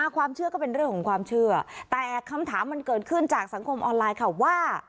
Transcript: ก็เป็นเรื่องของความเชื่อแต่คำถามมันเกิดขึ้นจากสังคมออนไลน์ค่ะว่า